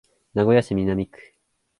名古屋市南区